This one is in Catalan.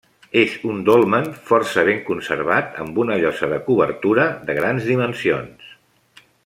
És un dolmen força ben conservat, amb una llosa de cobertura de grans dimensions.